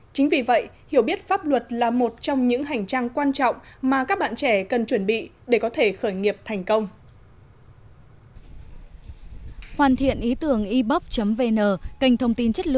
chính vì vậy hiểu biết pháp luật là một trong những hành trang quan trọng mà các bạn trẻ cần chuẩn bị để có thể khởi nghiệp thành công